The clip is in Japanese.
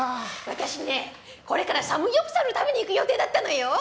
私ねこれからサムギョプサル食べに行く予定だったのよ。